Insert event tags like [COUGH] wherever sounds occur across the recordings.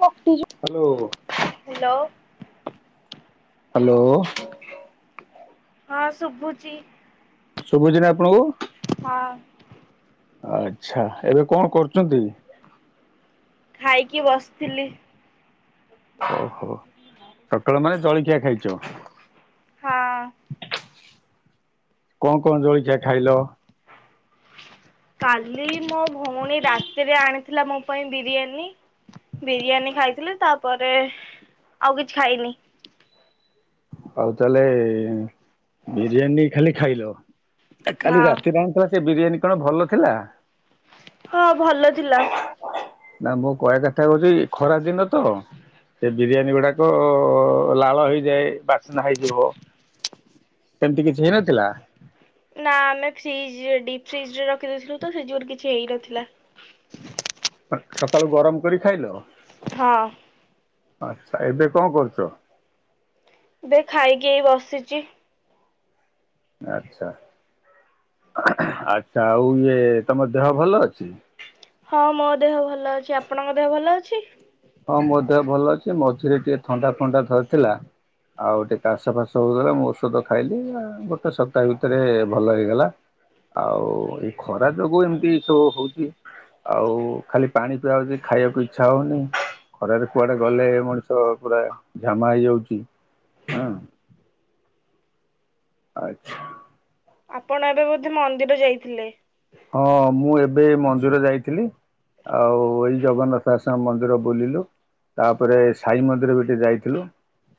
Hello. Hello. Hello. ହଁ ଶୁଭୁଚି। ଶୁଭୁଚି ନା ଆପଣଙ୍କୁ। ହଁ। ଆଚ୍ଛା ଏବେ କଣ କରୁଛନ୍ତି? ଖାଇକି ବସିଥିଲି। ଓହୋ ସକାଳୁ ମାନେ ଜଳଖିଆ ଖାଇଛ? ହଁ। କଣ କଣ ଜଳଖିଆ ଖାଇଲ? କାଲି ମୋ ଭଉଣୀ ରାତିରେ ଆଣିଥିଲା ମୋ ପାଇଁ ବିରିୟାନୀ ବିରିୟାନୀ ଖାଇଥିଲି ତାପରେ ଆଉ କିଛି ଖାଇନି। ଆଉ ତାହେଲେ ବିରିୟାନୀ ଖାଲି ଖାଇଲ। ଆ କାଲି ହଁ ରାତିିରେ ତ ସେ ବିରିୟାନୀ କଣ ଭଲ ଥିଲା? ହଁ ଭଲ ଥିଲା। ନା ମୁଁ କହିବା କଥା ହଉଚି ଖରା ଦିନ ତ ସେ ବିରିୟାନୀ ଗୁଡାକ ଲାଳ ହେଇଯାଏ ବା ବାସ୍ନା ହେଇଯିବ ସେମିତି କିଛି ହେଇନଥିଲା? ନା ଆମେ ଫ୍ରିଜ ଡିପ ଫ୍ରିଜ ରେ ରଖିଦେଇଥିଲୁ ତ ସେଇ ଜୁଗୁରେ କିଛି ହେଇନଥିଲା। ସକାଳୁ ଗରମ କରି ଖାଇଲ? ହଁ। ଆଚ୍ଛା ଏବେ କଣ କରୁଛ? ଏବେ ଖାଇକି ଏଇ ବସିଛି। ଆଚ୍ଛା ଆଚ୍ଛା ଆଉ ଇଏ ତମ ଦେହ ଭଲ ଅଛି? ହଁ ମୋ ଦେହ ଭଲ ଅଛି ଆପଣଙ୍କ ଦେହ ଭଲ ଅଛି? ହଁ ମୋ ଦେହ ଭଲ ଅଛି ମଝିରେ ଟିକେ ଥଣ୍ଡା ଫଣ୍ଡା ଧରିଥିଲା ଆଉ ଟିକେ କାଶ ଫାସ ହେଉଥିଲା ମୁଁ ଔଷଧ ଖାଇଲି ଗୋଟେ ସପ୍ତାହ ଭିତରେ ଭଲ ହେଇଗଲା ଆଉ ଏ ଖରା ଯୋଗୁ ଏମିତି ସବୁ ହେଉଛି ଆଉ ଖାଲି ପାଣି ପିଆ ହେଉଛି ଖାଇବାକୁ ଇଚ୍ଛା ହଉନି। ଖରାରେ କୁଆଡେ ଗଲେ ମଣିଷ ପୁରା ଝାମା ହେଇଯାଉଛି ହଁ। ଆଚ୍ଛା। ଆପଣ ଏବେ ବୋଧେ ମନ୍ଦିର ଯାଇଥିଲେ। ହଁ ମୁଁ ଏବେ ମନ୍ଦିର ଯାଇଥିଲି ଆଉ ଏଇ ଜଗନ୍ନାଥ ଆସନ ମନ୍ଦିର ବୁଲିଲୁ ତାପରେ ସାଇ ମନ୍ଦିର ବିି ଟିକେ ଯାଇଥିଲୁ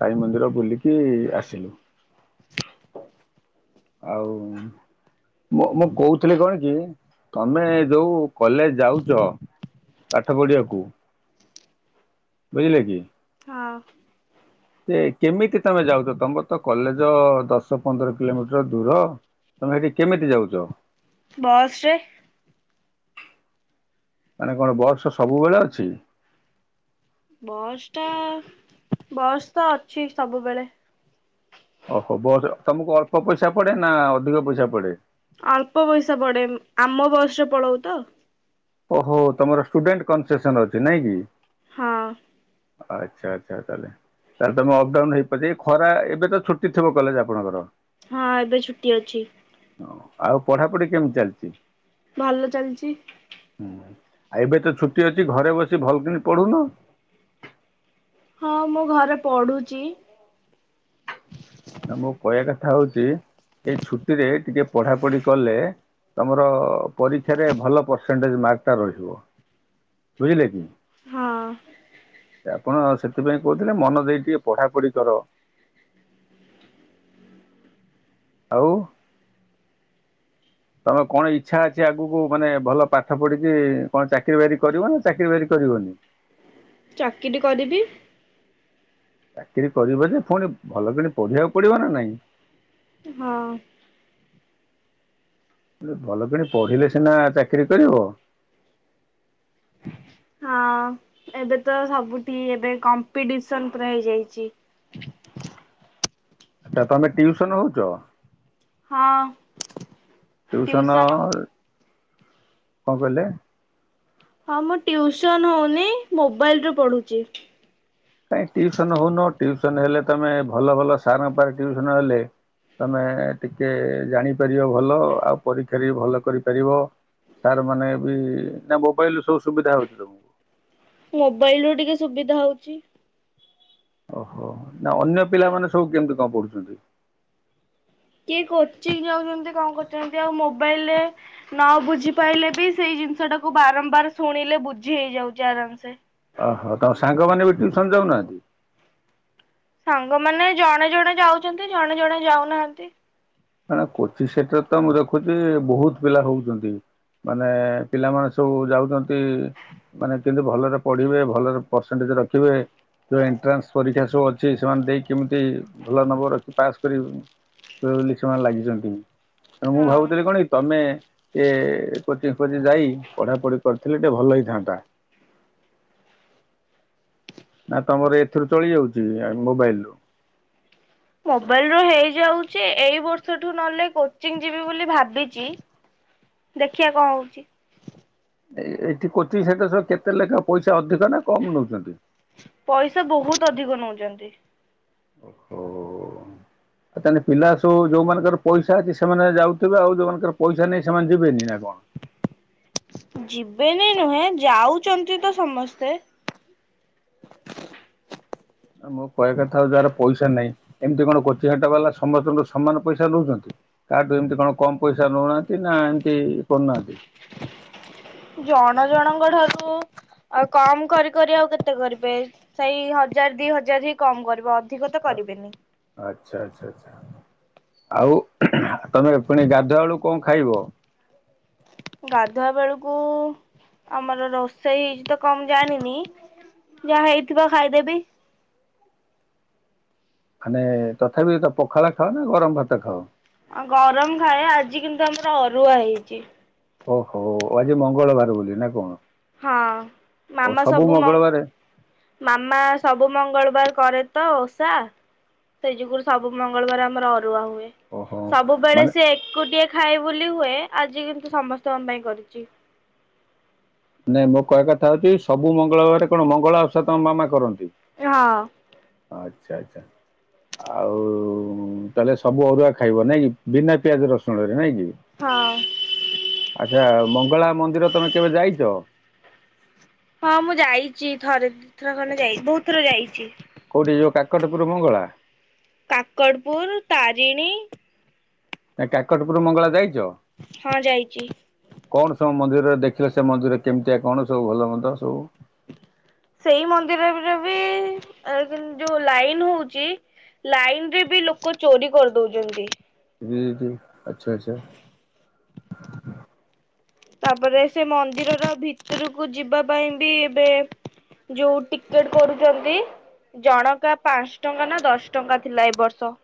ସାଇ ମନ୍ଦିର ବୁଲିକି ଆସିଲୁ। ଆଉ ମୁଁ ମୁଁ କହୁଥିଲି କଣ କି ତମେ ଯୋଉ କଲେଜ ଯାଉଚ ପାଠ ପଢିବାକୁ ବୁଝିଲେ କି ହଁ ସେ କେମିତି ତମେ ଯାଉଛ ତମର ତ କଲେଜ ଦଶ ପନ୍ଦର କିଲୋମିଟର ଦୂର ତମେ ସେଠି କେମିତି ଯାଉଚ? ବସରେ। ମାନେ କଣ ବସ୍ ସବୁବେଳେ ଅଛି? ବସ୍ ଟା ବସ୍ ତ ଅଛି ସବୁବେଳେ। ଓହୋ ବସ୍ ତମକୁ ଅଳ୍ପ ପଇସା ପଡେ ନା ଅଧିକ ପଇସା ପଡେ। ଅଳ୍ପ ପଇସା ପଡେ ଆମ ବୟସରେ ପଳଉ ତ ଓହୋ ତମର ଷ୍ଟୁଡେଣ୍ଟ କନସେସନ ଅଛି ନାଇଁ କି ହଁ। ଆଚ୍ଛା ଆଚ୍ଛା ତାହେଲେ ତାହେଲେ ତମେ ଅପଡାଉନ ହେଇପାରୁଛ ଖରା ଏବେ ତ ଛୁଟି ଥିବ କଲେଜ ଆପଣଙ୍କର। ହଁ ଏବେ ଛୁଟି ଅଛି। ଆଉ ପଢାପଢି କେମିତି ଚାଲିଛି? ଭଲ ଚାଲିଛି। ହୁଁ ଆଉ ଏବେ ତ ଛୁଟି ଅଛି ଘରେ ବସି ଭଲବ୍କିନି ପଢୁନ। ହଁ ମୁଁ ଘରେ ପଢୁଛି। ନା ମୋ କହିବା କଥା ହେଉଛି ଏଇ ଛୁଟିରେ ଟିକେ ପଢ଼ାପଢ଼ି କଲେ ତମର ପରୀକ୍ଷାରେ ଭଲ ପରସେଣ୍ଟେଜ ମାର୍କଟା ରହିବ ବୁଝିଲେ କି। ହଁ। ଆପଣ ସେଥିପାଇଁ କହୁଥିଲେ ମନ ଦେଇ କି ଟିକେ ପଢାପଢି କର। ଆଉ। ତମେ କଣ ଇଚ୍ଛା ଅଛି ଆଗକୁ ମାନେ ଭଲ ପାଠ ପଢିକି କଣ ଚାକିରୀ ବାକିରି କରିବ ନା ଚାକିରୀ ବାକି କରିବନି। ଚାକିରି କରିବି। ଚାକିରି କରିବ ଯେ ପୁଣି ଭଲ କିଣି ପଢିବାକୁ ପଡିବ ନା ନାଇଁ। ହଁ। ଭଲ କିନି ପଢିଲେ ସିନା ଚାକିରି କରିବ। ହଁ ଏବେ ତ ସବୁଠି ଏବେ କମ୍ପିଟିସନ ପୁରା ହେଇଯାଇଛି। ଆଛା ତମେ ଟିଉସନ ହଉଛ? ହଁ। ଟିଉସନ କଣ କହିଲେ? ହଁ ମୁଁ ଟଉସନ ହୋଉନି ମୋବାଇଲରେ ପଢୁଛି। କାହିଁ ଟିଉସନ୍ ହଉନ ଟିଉସନ୍ ହେଲେ ତୁମେ ଭଲ ଭଲ ସାର ପାଖରେ ଟିଉସନ୍ ହେଲେ ତମେ ଟିକେ ଜାଣିପାରିବ ଭଲ ଆଉ ପରୀକ୍ଷାରେ ଭଲ କରିପାରିବ ସାର୍ମାନେ ବି ନା ମୋବାଇଲ ସବୁ ସୁବିଧା ହେଉଛି ତୁମକୁ? ମୋବାଇଲରୁ ଟିକେ ସୁବିଧା ହଉଛି। ଓହୋ ନା ଅନ୍ୟ ପିଲାମାନେ ସବୁ କେମିତି କଣ ପଢୁଛନ୍ତି? କିଏ କୋଚି ଯାଉଛନ୍ତି କଣ କରୁଛନ୍ତି ଆଉ ମୋବାଇଲରେ ନ ବୁଝି ପାଇଲେ ବି ସେଇ ଜିନିଷ ଟାକୁ ବାରମ୍ବାର ଶୁଣିଲେ ବୁଝି ହେଇଯାଉଛି ଆରାମ ସେ। ଓହୋ ତମ ସାଙ୍ଗ ମାନେ ବି ଟିଉସନ ଯାଉନାହାନ୍ତି? ସାଙ୍ଗମାନେ ଜଣେ ଜଣେ ଯାଉଛନ୍ତି ଜଣେ ଜଣେ ଯାଉନାହାନ୍ତି। ନା କୋଚିଂ ସେଟର ତ ମୁଁ ଦେଖୁଛି ବହୁତ ପିଲା ରୋହୁଚନ୍ତି ମାନେ ପିଲାମାନେ ସବୁ ଯାଉଛନ୍ତି ମାନେ କେମିତି ଭଲରେ ପଢିବେ ଭଲରେ ପରସେଣ୍ଟେଜ ରଖିବେ ଯୋଉ ଏଣ୍ଟ୍ରାନ୍ସ ପରୀକ୍ଷା ସବୁ ଅଛି ସେମାନେ ଦେଇ ଭଲ ନମ୍ବର ରଖି ପାସ୍ କରିବେ ବୋଲି। ସେମାନେ ଲାଗିଛନ୍ତି। ତେଣୁ ମୁଁ ହଁ। ଭାବୁଥିଲି କଣ ତମେ ଟିକିଏ କୋଚିଂ ଫୋଚିଂ ଯାଇ ପଢାପଢି କରିଥିଲେ ଟିକେ ଭଲ ହେଇଥାନ୍ତା। ନା ତମର ଏଥିରୁ ଚଳି ଯାଉଛି ମୋବାଇଲ ରୁ। ମୋବାଇଲ ର ହେଇଯାଉଛି ଏଇ ବର୍ଷଠୁ ନହଲେ କୋଚିଂ ଯିବି ବୋଲି ଭାବିଛି ଦେଖିଆ କଣ ହଉଛି? ଏଇଠି କୋଚିଂ ସେଣ୍ଟର ସହ କେତେ ଲେଖା ପଇସା ଅଧିକ ନା କମ ନଉଛନ୍ତି? ପଇସା ବହୁତ ଅଧିକ ନଉଛନ୍ତି। ଓହୋ ଆ ତାହେଲେ ପିଲା ସବୁ ଯୋଉମାନଙ୍କର ପଇସା ଅଛି ସେମାନେ ଯାଉଥିବେ ଆଉ ଯୋଉମାନଙ୍କର ପଇସା ନାହିଁ ସେମାନେ ଯିବେନି ନା କଣ? ଯିବେନି ନୁହେଁ ଯାଉଛନ୍ତି ତ ସମସ୍ତେ। ନା ମୋ କହିବା କଥା ହୋଉଛି ଯାହାର ପଇସା ନାହିଁ ଏମିତି କଣ କୋଚି ହାଟ ବାଲା ସମସ୍ତଙ୍କର ସମାନ ପଇସା ନଉଛନ୍ତି କାହାଠୁ ଏମତି କଣ କମ ପଇସା ନଉନାହାନ୍ତି ନା ଏମିତି କରୁନାହାନ୍ତି। ଜଣ ଜଣଙ୍କ ଠାରୁ କମ କରି କରି ଆଉ କେତେ କରିବେ ସେଇ ହଜାର ଦି ହଜାର ହିଁ କମ କରିବ ଅଧି ଅଧିକ ତ କରିବେନି। ଆଚ୍ଛା ଆଚ୍ଛା ଆଚ୍ଛା ଆଉ ତମେ ଖୁଉ ପୁଣି ଗାଧୁଆଳୁ କଣ ଖାଇବ? ଗାଧୁଆ ବେଳକୁ ଆମର ରୋଷେଇ ହେଇଛି ତ କଣ ଜାଣିନି ଯାହା ହେଇଥିବ ଖାଇଦେବି। ମାନେ ତଥାପି ତ ପଖାଳ ଖାଅ ନା ଗରମ ଭାତ ଖାଅ? ଆଁ ଗରମ ଖାଏ ଆଜି କିନ୍ତୁ ଆମର ଅରୁଆ ହେଇଛି। ଓହୋ ଆଜି ମଙ୍ଗଳବାର ବୋଲି ନା କଣ? ହଁ ଓ ମାମା ସବୁ ମ ମଙ୍ଗଳବାରେ ମାମା ସବୁ ମଙ୍ଗଳବାର କରେ ତ ଓଷା ସେ ଯୁଗରୁ ସବୁ ମଙ୍ଗଳବାର ଆମର ଅରୁଆ ହୁଏ ଓହୋ। ସବୁବେଳେ ମାନେ ସେ ଏକୁଟିଏ ଖାଏ ବୋଲି ହୁଏ ଆଜି କିନ୍ତୁ ସମସ୍ତଙ୍କ ପାଇଁ କରିଚି। ନାଇଁ ମୋ କହିବା କଥା ହଉଛି ସବୁ ମଙ୍ଗଳବାର କଣ ମଙ୍ଗଳା ଓଷା ତମ ମାମା କରନ୍ତି। ହଁ। ଆଚ୍ଛା ଆଚ୍ଛା ଆଉ ତାହେଲେ ସବୁ ଅରୁଆ ଖାଇବ ନାଇଁ କି ବିନା ପିଆଜ ରସୁଣରେ ନାଇଁ କି? ହଁ ଆଛା ମଙ୍ଗଳା ମନ୍ଦିର ତମେ କେବେ ଯାଇ ଚ ହଁ ମୁଁ ଯାଇଛି ଥରେ ଦି ଥର ଖଣ୍ଡେ ଯାଇଛି ବହୁତ ଥର ଯାଇଛି। କୋଉଠି କି ଯୋଉ କାକଟପୁର ମଙ୍ଗଳା? କାକଟପୁର ତାରିଣୀ ନା କାକଟପରୁ ମଙ୍ଗଳା ଯାଇ ଛ ହଁ ଯାଇଛି। କଣ ସବୁ ମନ୍ଦିରରେ ଦେ ସେ ମନ୍ଦିର କେମିତିଆ କଣ ସବୁ ଭଲ ମନ୍ଦ ସବୁ? ସେଇ ମନ୍ଦିରରେ ବି ଯୋଉ ଲାଇନ୍ ହଉଛି ଲାଇନ୍ ରେ ବି ଲୋକ ଚୋରି କରିଦଉଛନ୍ତି। ହୁଁ ହୁଁ ଆଛା ଆଛା। ତାପରେ ସେ ମନ୍ଦିରର ଭିତୁରୁକୁ ଯିବା ପାଇଁ ବି ଏବେ ଯୋଉ ଟିକେଟ୍ କରୁଛନ୍ତି ଜଣକା ପାଞ୍ଚ ଟଙ୍କା ନା ଦଶ ଟଙ୍କା ଥିଲା ଏ ବର୍ଷ।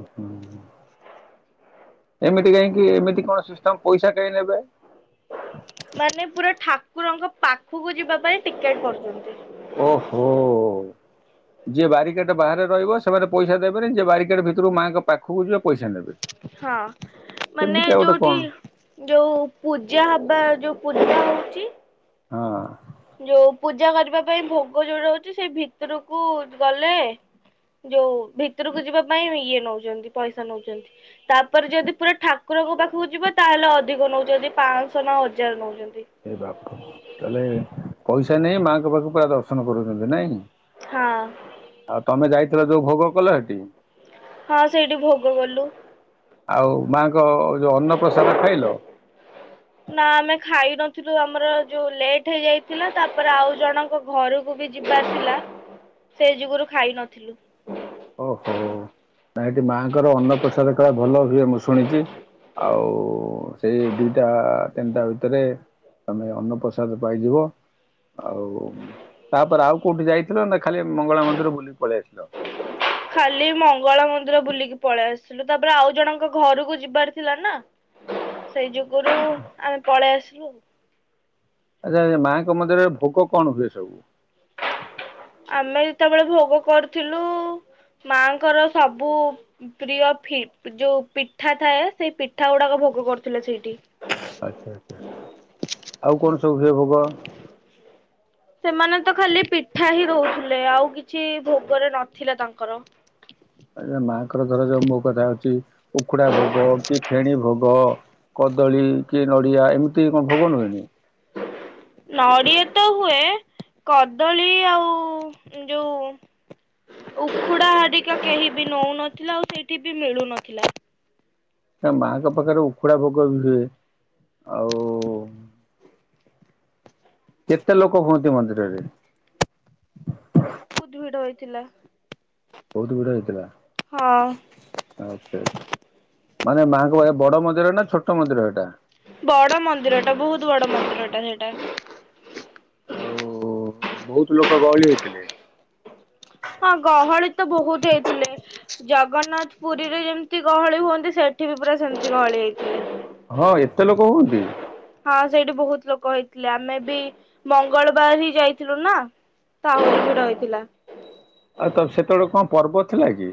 ହୁଁ ଏମିତି କାହିଁକି ଏମିତି କଣ ସିଷ୍ଟମ୍ ପଇସା କାଇଁ ନେବେ। ମାନେ ପୁରା ଠାକୁରଙ୍କ ପାଖକୁ ଯିବା ପାଇଁ ଟିକେଟ୍ କରୁଛନ୍ତି। ଓହୋ। ଯିଏ ବାରି ଗେଟ୍ ବାହାରେ ରହିବ ସେମାନେ ପଇସା ଦେବେନି ଯିଏ ବାରି ଗେଟ୍ ଭିତରୁ ମାଆଙ୍କ ପାଖକୁ ଯିବେ ପଇସା ନବେ। ହଁ ମାନେ ଗୋଟେ ଯୋଉଠି କଣ ଯୋଉ ପୂଜା ହବା ଯୋଉ ପୂଜା ହଉଛି ହଁ। ଯୋଉ ପୂଜା କରିବା ପାଇଁ ଭୋଗ ଯୋଉ ରହୁଛି ସେ ଭିତୁରୁକୁ ଗଲେ ଯୋଉ ଭିତୁରୁକୁ ଯିବା ପାଇଁ ଇଏ ନଉଛନ୍ତି ପଇସା ନଉଛନ୍ତି ତାପରେ ଯଦି ପୁରା ଠାକୁରଙ୍କ ପାଖକୁ ଯିବ ତାହେଲେ ଅଧିକ ନଉଛନ୍ତି ପାଁଶହ ନା ହଜାର ନଉଛନ୍ତି। ଏ ବାପ ତାହେଲେ ପଇସା ନେଇ ମା ଙ୍କ ପାଖକୁ ପୁରା ଦର୍ଶନ କରୁଛନ୍ତି ନାଇଁ। ହଁ। ଆଉ ତମେ ଯାଇ ଥିରେ ଯୋଉ ଭୋଗ କଲଟି? ହଁ ସେଇଠି ଭୋଗ କଲୁ। ଆଉ ମାଙ୍କ ଯୋଉ ଅନ୍ନପ୍ରସାଦ ଖାଇଲ? ଥିଏରୁ ଆମର ଯୋଉ ଲେଟ୍ ହେଇ ଯାଇଥିଲା ତାପରେ ଆଉ ଜଣଙ୍କ ଘରକୁ ବି ଯିବାର ଥିଲା ସେ ଯୋଗୁରୁ ଖାଇ ନଥିଲୁ। ଓହୋ ନାଇଟ୍। ମାଙ୍କର ଅନ୍ନପ୍ରସାଦ କାଳେ ଭଲ ହୁଏ ମୁଁ ଶୁଣିଛି। ଆଉ ସେଇ ଦିଇଟା ତିନିଟା ଭିତରେ ତମେ ଅନ୍ନପ୍ରସାଦ ପାଇଯିବ ଆଉ ତାପରେ ଆଉ କୋଉଠି ଯାଇଥିଲ ନା ଖାଲି ମଙ୍ଗଳା ମନ୍ଦିର ବୁଲିକି ପଳେଇ ଆସିଲ। ଖାଲି ମଙ୍ଗଳା ମନ୍ଦିର ବୁଲିକି ପଳେଇ ଆସିଲୁ ତାପରେ ଆଉ ଜଣଙ୍କ ଘରକୁ ଯିବାର ଥିଲା ନା। ସେଇ ଯୁଗରୁ ଆମେ ପଳେ ଆସି୍ ହ [INAUDIBLE] ଆଚ୍ଛା ଆ ମାଙ୍କ ମନ୍ଦିରରେ ଭୋଗ କଣ ହୁଏ ସବୁ। ଆମେ ଯେତେବେଳେ ଭୋଗ କରୁଥିଲୁ ମାଙ୍କର ସବୁ ପ୍ରିୟ ଫି ଯୋଉ ପିଠା ଥାଏ ସେଇ ପିଠା ଗୁଡାକ ଭୋଗ କରୁଥିଲେ ସେଇଠି। ଆଚ୍ଛା ଆଛା ଆଉ କଣ ସବୁ ହୁଏ ଭୋଗ? ସେମାନେ ତ ଖାଲି ପିଠା ହିଁ ଦଉଥିଲେ ଆଉ କିଛି ଭୋଗରେ ନଥିଲେ ତାଙ୍କର। ମାଆଙ୍କର ଥର ଯୋଉ ମୋ କଥା ହଉଛି ଉଖୁଡ଼ା ଭୋଗ କି ଫେଣୀ ଭୋଗ କଦଳୀ କି ନଡିଆ ଏମିତି କଣ ଭୋଗ ନୁହେଁ। ନଡିଆ ତ ହୁଏ କଦଳୀ ଆଉ ଯୋଉ ଉଖୁଡା ହାରିକା କେହି ବି ନଉନଥିଲା ଆଉ ସେଇଠି ବି ମିଳୁନଥିଲା। ତା ମାଙ୍କ ପାଖରେ ଉଖୁଡା ଭୋଗ ବି ହୁଏ ଆଉ। କେତେ ଲୋକ ହୁଅନ୍ତି ମନ୍ଦିରରେ? ବହୁତ ଭିଡ ହେଇଥିଲା। ବହୁତ ଭିଡ ହେଇଥିଲା ହଁ ଆଛା ଆଛା। ମାନେ ମାଙ୍କ ବଡ ମନ୍ଦିର ନା ଛୋଟ ମନ୍ଦିର ହେଇଟା। ବଡ ମନ୍ଦିରଟା ବହୁତ ବଡ ମନ୍ଦିରଟା ସେଇଟା। ଆଉ ବହୁତ ଲୋକ ଗହଳି ହେଇଥିଲେ। ହଁ ଗହଳି ତ ବହୁତ ହେଇଥିଲେ। ଜଗନ୍ନାଥ ପୁରୀରେ ଯେମିତି ଗହଳି ହୁଅନ୍ତି ସେଠି ବି ପୁରା ସେମିତି ଗହଳି ହେଇଥିଲେ। ହଁ ଏତେ ଲୋକ ହୁଅନ୍ତି। ହଁ ସେଇଠି ବହୁତ ଲୋକ ହେଇଥିଲେ ଆମେ ବି ମଙ୍ଗଳବାର ହିଁ ଯାଇଥିଲୁ ନା ତ ଆହୁରି ଭିଡ ହେଇଥିଲା। ଆଉ ତ ସେତେବେଳେ କଣ ପର୍ବ ଥିଲା କି।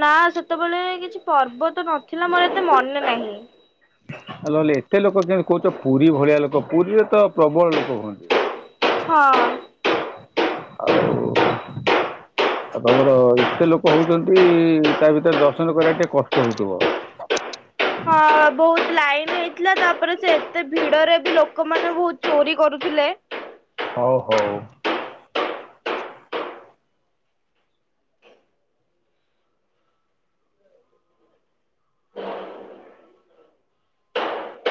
ନା ସେତେବେଳେ କିଛି ପର୍ବ ତ ନ ଥିଲା ମୋର ଏତେ ମନେ ନାହିଁ। ନ ହେଲେ ଏତେ ଲୋକ କେମତି କହୁଛ ପୁରୀ ଭଳିଆ ଲୋକ ପୁରୀରେ ତ ପ୍ରବଳ ଲୋକ ହୁଅନ୍ତି। ହଁ। ଆଉ ତମର ଏତେ ଲୋକ ହଉଛନ୍ତି ତା ଭିତରେ ଦର୍ଶନ କରିବା ଟିକେ କଷ୍ଟ ହଉଥିବ। ହଁ ବହୁତ ଲାଏ୍- ହେଇଥିଲା ତାପରେ ସେ ଏତେ ଭିଡରେ ବି ଲୋକମାନୋନ ବହୁତ ଚୋରି କରୁଥିଲେ। ହଉ ହଉ।